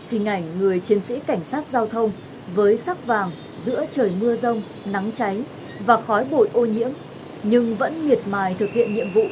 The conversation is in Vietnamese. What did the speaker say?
hình ảnh người chiến sĩ cảnh sát giao thông với sắc vàng giữa trời mưa rông nắng cháy và khói bội ô nhiễm nhưng vẫn miệt mài thực hiện nhiệm vụ điều tiết ra